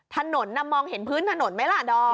ถนนมองเห็นพื้นถนนไหมล่ะดอม